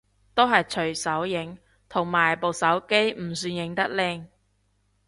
都係隨手影，同埋部手機唔算影得靚